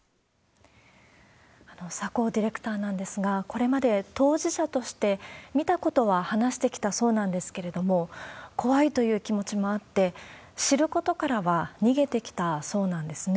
岶尾ディレクターなんですが、これまで当事者として、見たことは話してきたそうなんですけれども、怖いという気持ちもあって、知ることからは逃げてきたそうなんですね。